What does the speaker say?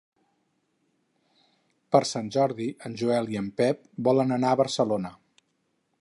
Per Sant Jordi en Joel i en Pep volen anar a Barcelona.